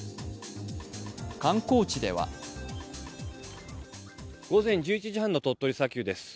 観光地では午前１１時半の鳥取砂丘です。